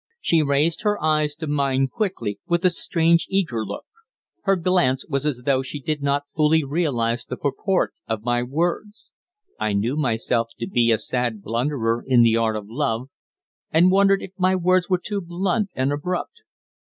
She raised her eyes to mine quickly, with a strange, eager look. Her glance was as though she did not fully realize the purport of my words. I knew myself to be a sad blunderer in the art of love, and wondered if my words were too blunt and abrupt.